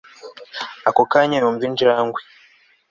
ako kanya yumva injangwe